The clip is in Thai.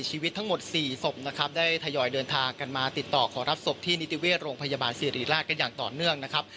ชีวิตทั้งหมด๔ศพนะครับได้ทยอยเดินทางกันมาติดต่อขอรับศพที่นิติเวชโรงพยาบาลสิริราชกันอย่างต่อเนื่องนะครับ